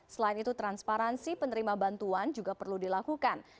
selain itu transparansi penerima bantuan juga perlu dilakukan